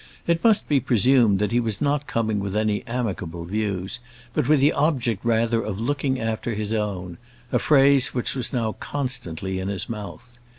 It must be presumed that he was not coming with any amicable views, but with the object rather of looking after his own; a phrase which was now constantly in his mouth.